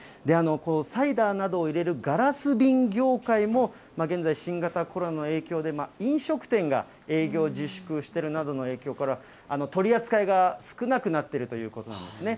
サイダーなどを入れるガラス瓶業界も、現在、新型コロナの影響で、飲食店が営業自粛してるなどの影響から、取り扱いが少なくなっているということなんですね。